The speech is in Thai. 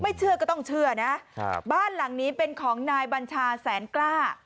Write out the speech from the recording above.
เชื่อก็ต้องเชื่อนะครับบ้านหลังนี้เป็นของนายบัญชาแสนกล้า